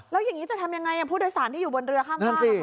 แล้วอย่างนี้จะทำยังไงผู้โดยสารที่อยู่บนเรือข้าม